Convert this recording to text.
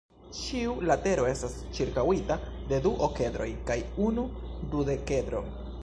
Ĉiu latero estas ĉirkaŭita de du okedroj kaj unu dudekedro.